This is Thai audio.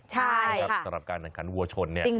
ใช่ค่ะสำหรับการแข่งขันภาคหัวชน